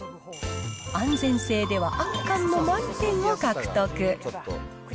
安全性では圧巻の満点を獲得。